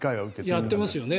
やってますよね。